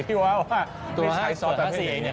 ที่ว่าไม่ใช้ซอสแปดเปรี้ยว